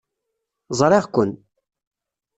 Ẓriɣ-ken.